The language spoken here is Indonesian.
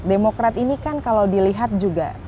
demokrat ini kan kalau dilihat juga